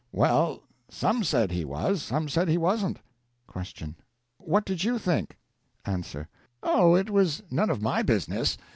Well, some said he was, some said he wasn't. Q. What did you think? A. Oh, it was none of my business!